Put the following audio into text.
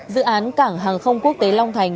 dự án cảng hàng không quốc tế long thành